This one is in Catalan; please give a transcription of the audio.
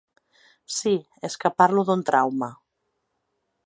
Sí, és que parlo d’un trauma.